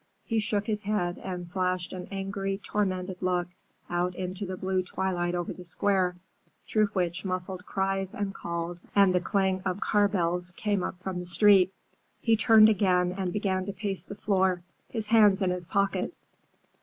He shook his head and flashed an angry, tormented look out into the blue twilight over the Square, through which muffled cries and calls and the clang of car bells came up from the street. He turned again and began to pace the floor, his hands in his pockets.